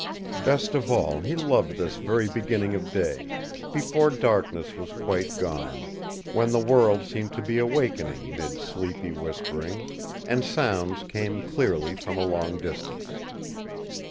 Best of all he loved this very beginning of day, before darkness was quite gone, when the world seemed to be awakening mid sleepy whisperings and sounds came clearly from a long distance.